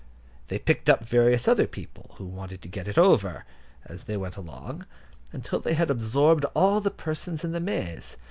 They picked up various other people who wanted to get it over, as they went along, until they had absorbed all the persons in the maze.